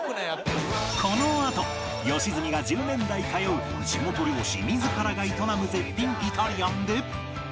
このあと良純が１０年来通う地元漁師自らが営む絶品イタリアンで